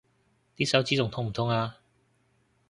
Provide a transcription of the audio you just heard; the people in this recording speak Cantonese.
啲手指仲痛唔痛啊？